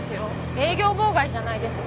営業妨害じゃないですか！